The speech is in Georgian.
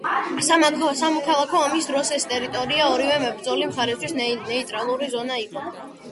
სამოქალაქო ომის დროს ეს ტერიტორია ორივე მებრძოლი მხარისთვის ნეიტრალური ზონა იყო.